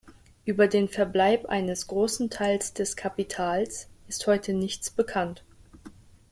Über den Verbleib eines großen Teils des Kapitals ist heute nichts bekannt.